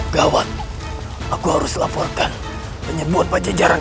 gawat aku harus laporkan penyebut pajak jalan